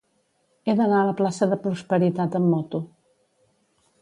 He d'anar a la plaça de Prosperitat amb moto.